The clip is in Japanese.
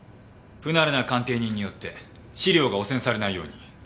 不慣れな鑑定人によって試料が汚染されないように。